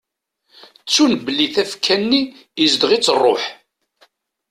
Ttun belli tafekka-nni izdeɣ-itt rruḥ.